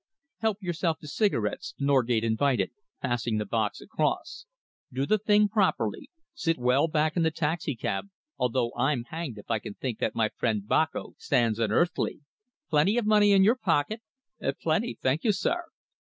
"Help yourself to cigarettes," Norgate invited, passing the box across. "Do the thing properly. Sit well back in the taxicab, although I'm hanged if I think that my friend Boko stands an earthly. Plenty of money in your pocket?" "Plenty, thank you, sir."